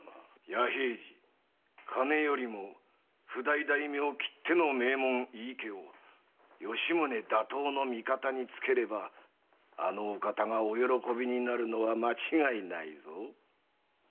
弥平次金よりも譜代大名きっての名門・井伊家を吉宗打倒の味方につければあのお方がお喜びになるのは間違いないぞ。